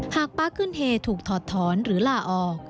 หากป๊าคคืนเฮถูกถอดท้อนหรือลาออก